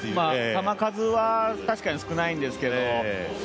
球数は確かに少ないんですけど。